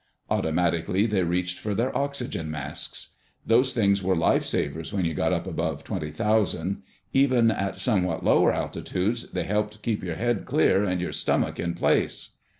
Automatically they reached for their oxygen masks. Those things were lifesavers when you got up above 20,000. Even at somewhat lower altitudes they helped keep your head clear and your stomach in place.